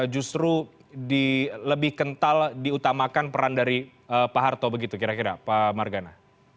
justru lebih kental diutamakan peran dari pak harto begitu kira kira pak margana